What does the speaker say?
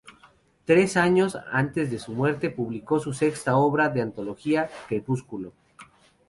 Tres años antes de su muerte, publicó su sexta obra de antología "Crepúsculo".